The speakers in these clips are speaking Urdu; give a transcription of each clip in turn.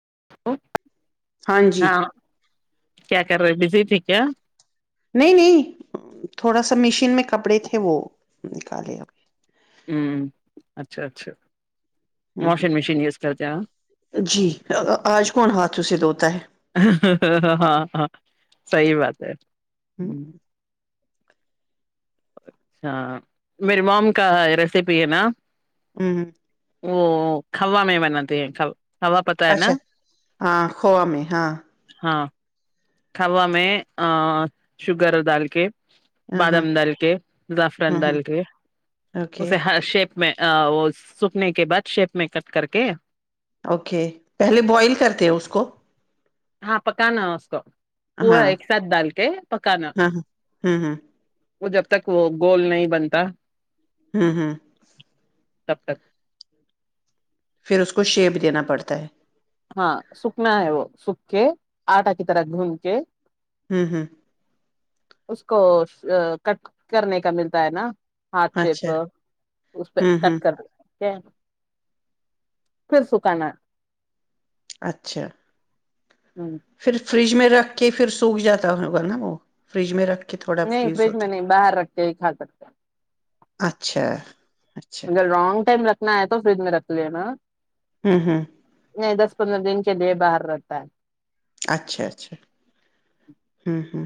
[inaudible] ہاں جی کیا کر رہے بزی ٹھیک کیا نہیں نہیں تھوڑا سا مشین میں کپڑے تھے وہ نکالے ابھی ہوں اچھا اچھا ہ واشنگ مشین یوز کرتے ہ جی آج کون ہاتھوں سے دھوتا ہے ہ ہ سی بات [inaudible] ہوں اچھا میری مام کا ریسیپی ہے نا ہوں ہ وہ کھا میں بناتے ہیںھ اچھا ہاں کھوو میں ہاں کوا میں شوگر ڈال کے ہاں ہاں بادام ڈال کےظعفران ہاں ہاں ڈال کے اوکے اسے ہر شیپ میں وہ سوکھنے کے بعد شیپ میں کٹ کر کے اوکے پہلے بوائل کرتے ہیں اس کو ہاں پکان اسسکو ہاں پوڑا ہاں ایک ساتھ ڈال کے پکانا ہاں ہوں ہوں وہ جب تک وہ گول نہیں بنتا ہاں ہاں تب تک پھر اس کو شیپ دینا پڑتا ہے ہاں سکنا ہے وہ سکھ کے آٹا کی طرح گھوم کے ہوں ہاں اس کو کٹ کرنے کا ملتا ہے نا ہاتھ اچھا شیپ اس پہ ہوں ہوں کٹ کر ل پھر س کناا [inaudible] اچھا [inaudible] ہوں [inaudible] پھر فریج میں رکھ کے پھر سوکھ جاتا ہوگا نا وہ فریج میں رکھ کے تھوڑا نہیں فریز فریج میں ہوتا نہیں باہر رکھتے ہی کھا سکتے اچھا اچھا اگر رانگ ٹائم رکھنا ہے تو فریج میں رکھ لینا ہوں ہوں نہیں دس پندر دن کے دے باہر رہتا ہے اچھا اچھا ہوں ہوں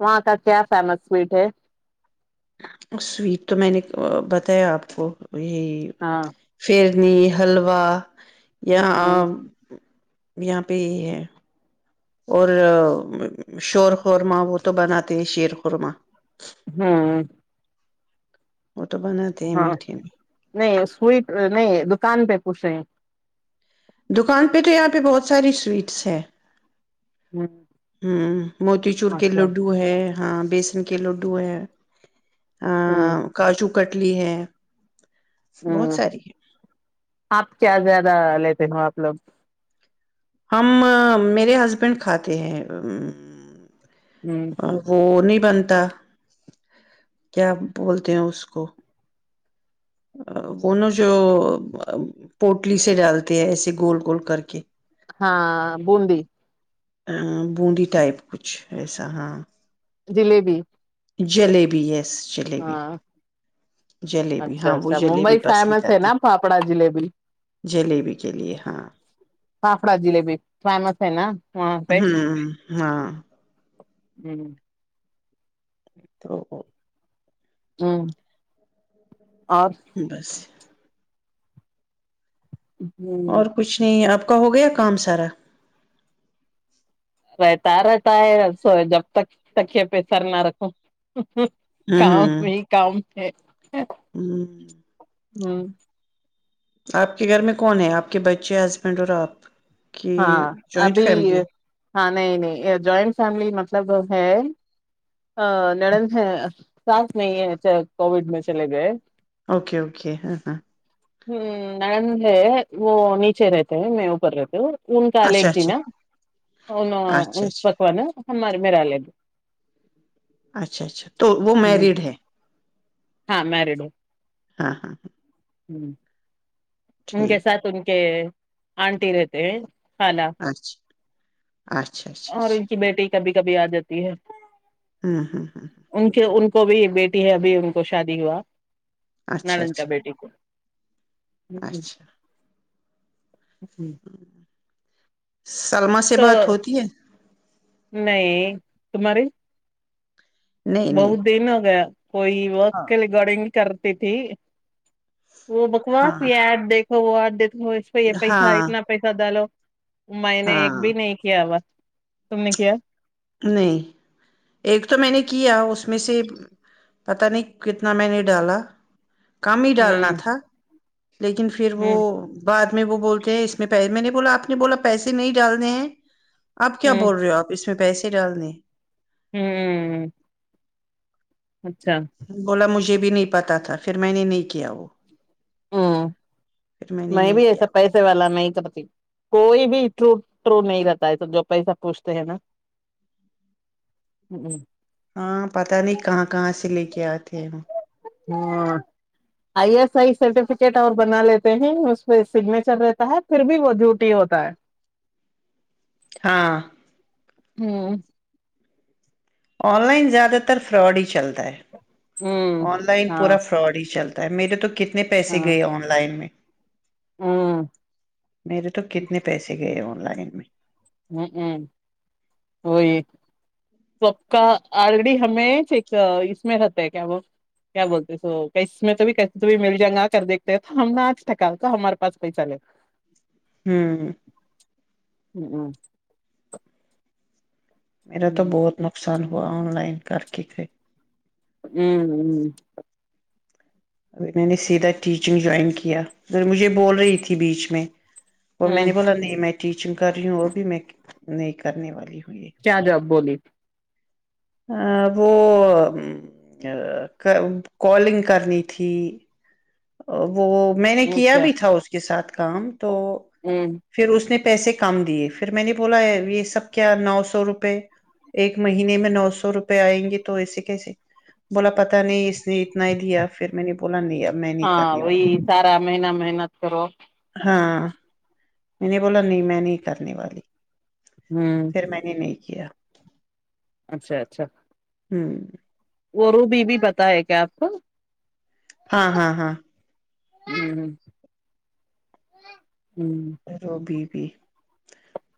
وہاں کا کیا فیمس سویٹ ہے سویٹ تو میں نے بتایا آپ کو یہی ہاں فھر چٹنی حلوا یہاں آ ہ یہاں پہ یہ ہے اور شور خورمہ وہ تو بناتے ہیں شیر خورما [unintelligible] وہ تو بناتے ہیں میٹھے میں سٹ نہیں دکان پہ پوچھ رہے ہیں دکان پہ تو یہاں پہ بہت ساری سویٹس ہے ہ ہوں موتی چور کے اچھا لڈو ہے ہاں بیسن کے کہ لوڈو ہے آ کاشو کٹ لی ہے ہوں بہت ساری ہے آپ کیا زیادہ لیتے ا اپل ہم میرے ہسبینڈ کھاتے ہیں ہ ا وہ نہیں بنتا کیا بولتے ہیں اس کو وہ نوں جو پوٹلی سے ڈالتے ہیں ایسے گول گول کر کے [unintelligible] ا بوندی ٹائپ کچھ ایسا ہاں جلیبی جلیبی یس جلیبی ہاں جلیبی اچھا ہاں وہ اچھا جلیبی ممبئی پسند فیمس ہے کرتے نا پھاپڑا جلیبی جلیبی کے لیے ہاں فافڑا جلیبی فیمس ہے نا وہاں پہ ہوں ہاں [unintelligible] [unintelligible] [unintelligible] [unintelligible] اور کچھ نہیں آپ پ کاا ہو گیا کام سارا رہتا رہتا ہے س جب تک تک یہ پیسر نہ رکھو ہوں کاؤ ہوں بھی کام [unintelligible] [unintelligible] [unintelligible] آپ کے گھر میں کون ہے آپ کے بچے ہسبینڈ اور آپ کی ہاں جوائنٹ ابھی فیملی ہاں نہیں نہیں جوائنٹ فیملی مطلب ہاں ہ نڑند سانس نہیں ہے کووڈ میں چلے گئے اوکے اوکے ہاں ہاں ہوں نندے وہ نیچے ریتے میں اوپر رہتی ان کال ایک اچھا دن اچھا اون ان اچھا اچھا پکوان مار میں رالے دو اچھا اچھا تو وہ میریڈ ہے ہاں مریڈ ہاں ہاں ہاں [inaudible] ان کے ساتھ ان کے آنٹییرتے اچھا اچھا اچھا اور اچھا ان کی بیٹی کبھی کبھی آ جاتی ہے ہاں ہاں ہاں ہاں ان کے ان کو بھی ایک بیٹی ہے ابھی ان کو شادی ہوا اچھا نالند کا اچھا بیٹی کو اچھا [unintelligible] سللما سے تو بات ہوتی ہے تمہاریے نہیں بہت نہیں دن ہو گیا کوئی وق ہاں کے ریگارڈنگ کرتی تھی وہ ہاں بکواس بھی دیکھ ہو آڈ ہوش پائی یہ پیسہ ہے ہاں اتنا پیسہ دالو میں نے ایک ہاں بھی نہیں کیا بس تم نے کیا [unintelligible] نہیں ایک تو میں نے کیا اس میں سے پتا نہیں کتنا میں نے ڈالا کام ہی ڈالنا ہوں تھا لیکن پھر وہ ہوں بعد میں وہ بولتے ہیں اس میں پہلے میں نے بولا آپ آپ نے بولا پیسے نہیں ڈالنے ہیں آپ کیا ہوں بول رہے ہو آپ اس میں س ڈل نے ہوں اچھا بولا مجھے بھی نہیں پتا تھا پھر میں نے نہیں کیا وہ ہاں [unintelligible] پھر نے میں نہیں بھی کیا ایسا پیسے والا میں تو بتا کوئی بھی ٹرو ٹرو نہیں رہتا ہے سب جو پیسا پوچھتے ہیں نا ہ ہاں پتہ نہیں کہاں کہاں سے لے کے آت ہوں [inaudible] آئی ایس آئی سرٹیفکیٹ اور بنا لیتے ہیں اس پہ سگنیچر رہتا ہے پھر بھی وہ ڈیوٹی ہوتا ہے ہاں ہوں آن لائن زیادہ تر فراڈ ہی چلتا ہے ہوں آن لائن ہاں پورا فراڈ ہی چلتا میرے تو کتنے کتنے پیسے ہاں گئے آن لائن میں ہوں میرے تو کتنے پیسے گئے آن لائن میں ہ ہ وہی سب کا آرڑی ہمیں ایک اس میں رہتا ہے کیا وہ کیا بولتے س اس میں تو بھی مل جائ گا کر دیکتے ہیں تو ہم نے آج ٹھکا تو ہمارے پاس پیسا لے [inaudible] ہمم ہمم [inaudible] میرا تو بہت نقصان آن لائن کر کے ہمم ہمم ابھی میں نے سیدھا ٹیچنگ جوائن کیا پھر مجھے بول رہی تھی بیچ میں تو میں نے بولا نہیں میں ٹیچنگ کر رہی ہوں ابھی میں نہیں کرنے والی ہوں یہ کیا جاب بولی وہ کالنگ کرنی تھی تھی [inaudible] وہ میں نے کیا اچھا بھی تھا اس کے ساتھ کام تو ہ پھر اس نے پیسے کم دیے پھر میں نے بولا یہ سب کیا نو سو روپے ایک مہینے میں نو سو روپے آئیں گے تو ایسے کیسے بولا پتا نہیں اس نے اتنا ہی دیا پھر میں نے بولا نہیں اب میں نہیں ہاں کرنے وہی والی سارا مہینہ محنت کرو ہاں میں نے بولا نہیں میں نہیں کرنے والی ہ پھر میں نے نہیں کیا اچھا اچھا ہمم وہ روب بھی پتا ہے کیا آپ کو ہاں ہاں ہاں ہمم روب بھی بھی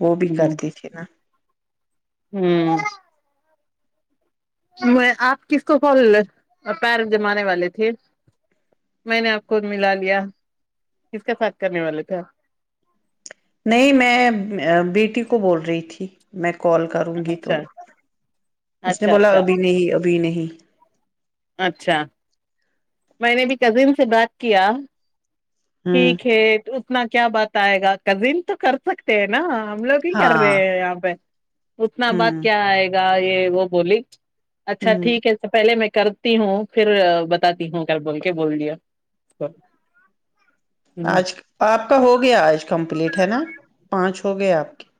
وہ بھی کرتی تھی نا ہمم میں آپ کس کو کال پیر جمانے والے تھے میں نے آپ کو ملا لیا کس کے ساتھ کرنے والے تھے نہیں میں بیٹی کو بول رہی تھی میں کال کروں گی تو اچھا اس نے اچھا بولا اچھا ابھی نہیں ابھی نہیں [inaudible] اچھا میں نے بھی کزن سے بات کیا ہوں ٹھیک ہے اتنا کیا بات آئے گا کزن تو کر سکتے ہیں نا ہم لوگ ہی کر رہے ہاں ہیں یہاں پہ اتنا بعد ہوں کیا آئے گا گ یہ وہ بولی اچھا ہوں ٹھیک ہے پہلے میں کرتی ہوں پھر بتاتی ہوں کل بول کے بول دیا ہ آج آپ کا ہو گیا آج کمپلیٹ ہے نا پانچ ہو گئے آپ کے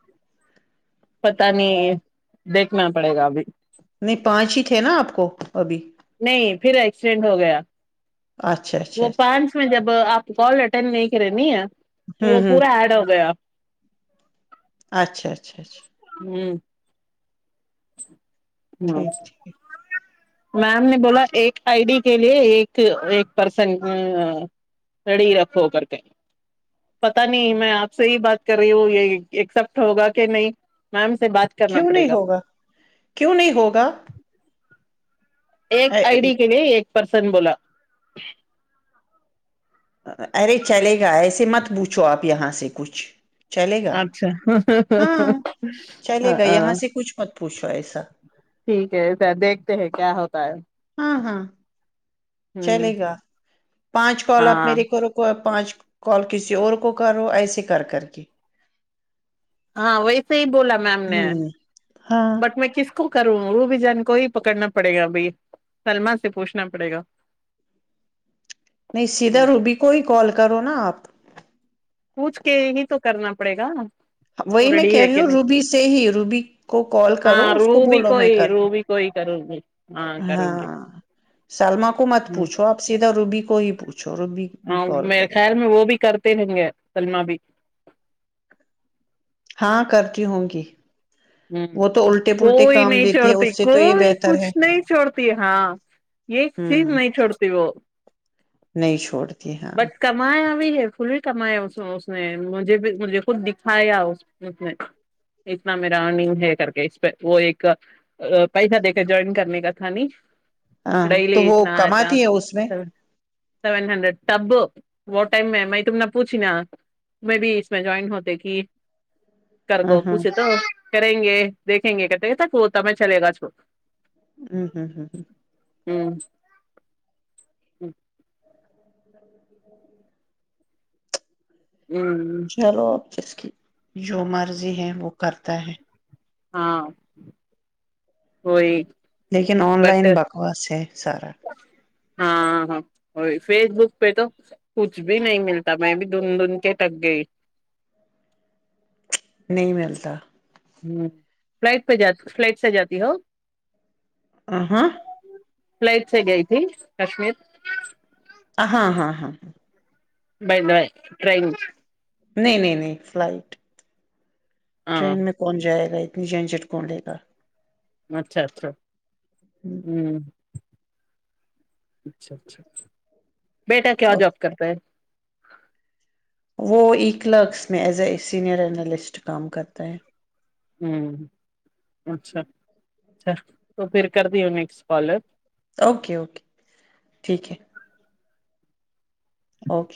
پت نہیں دیکھنا پڑے گا ابھی نہیں پانچ ہی تھے نا آپ کو ابھی نہیں پھر ایکسیڈینٹ ہو گیا اچھا اچھا وہ اچھا پانچ میں جب آپ کال ت نہیں رہنی آ [unintelligible] ہوں وہ ہوں پورا ایڈ ہو گیا اچھا اچھا اچھا ہ [inaudible] ٹھیک ٹھیک میم نے بولا ایک آئی ڈی کے لیے ایک ایک پرسن ری رکھو کر کےیں پتا نہیں میں آپ سے ہی بات کر رہی ہوں یہ ایکسپٹ ہوگا کہ نہیں میم سے بات کرنا کیوں پڑے نہیں گا ہوگا کیوں نہیں ہوگا ایک آئی ڈی کے لیے ایک پرس سن بولا ارے چلے گا ایسے مت پوچھو آپ یہاں سے کچھ چلے گا اچھا ہاں ا پوش ایسا ٹھیک ہے س دیکھتے ہیں کیا ہوتا ہے ہاں ہاں ہوں چلے گا پانچ کال آپ ہاں میرے کرو کو پانچ کال کسی اور کو کرو ایسے کر کر کے ہاں ویس ہی بولا میم نے ہوں ہاں بٹ میں کس کو کروں وہ بھی جان کو ہی پکڑنا پڑے گا بھائی سللما سے پوچھنا پڑے گا نہیں سدھر ہ روب کوئی کال کرو نا آپ پوچھ کے ہی تو کرنا پڑے گا وہ وہی میں ریڈی کہہ ہے رہی کہ ہوں نہیں روبی سے ہی روبی کو کال کرو ہاں اس کو روبی بولو میں کر کوئی دوں روبی کوئی کروں گی ہاں کروں گی ہاں سلما کو مت ہ پوچھو آپ سیدھا روبی کو ہی پوچھ ہاں میرے خیال میں وہ بھی کرتے رہیں گے سلمہ بھی ہاں کرتی ہوں گی ہ وہ تو الٹے پلٹے کوئی کام نہیں دیتی ہے چھوڑتی اس سے تو یہ کوئی بہتر کچھ ہے نہیں چھوڑتی ہاں ایک چیز ہوں نہیں چھوڑتی وہ نہیں چھوڑ د [unintelligible] بس کمایا بھی ہے کل کمایا اس نے مجھے بھی مجھے خود دکھایا اتنا میرا ارننگ ہے کر کے اس پہ وہ ایک پیسہ دے کے جوائن کرنے کا تھا ن ہاں تو وہ کماتی ہے اس میں سیون ہنڈریڈ تب وہ ٹائم میں میں تم نے پوچھی نا میں بھی اس میں جوائن ہوتے کی کر ہ کو ہ پوچھے تو کریں گے دیکھیں گے کتے تک وہتا میں چلے گا اس کو ہ ہوں ہوں ہ ہوں ہ [unintelligible] [inaudible] ہ چلو اب جس کی [inaudible] جو مرضی ہے وہ کرتا ہے ہاں کوئی لیکن آن لائن بکواس ہے سارا ہاں ہاں وہی فیس بک پہ تو کچھ بھی نہیں ملتا میں بھی دن دھن کے ٹک گئی نہیں ملتا [unintelligible] ہ فلائٹ پہ جات فلائٹ سے جاتی ہو آ ہاں [inaudible] فلائٹ سے گئی تھی کشمیر ہاں ہاں ہاں ہاں بائی بائے ٹن نہیں نہیں نہیں فلائٹ ہاں ٹرین میں کون جائے گا اپنی جین چٹ کون لے کر اچھا اچھا ہوں اچھا اچھاچ بیٹا کیا جاب کرتا ہے وہ ای کلرکس میں ایز اے سینئر اینالسٹ کام کرتا ہے ہ اچھا اچھا تو پھر کر دی انیں سوالت اوکے اوکے ٹھیک ہے اوکے